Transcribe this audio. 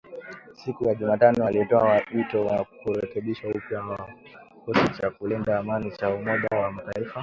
Siku ya Jumatano alitoa wito wa kurekebishwa upya kwa kikosi cha kulinda amani cha Umoja wa Mataifa.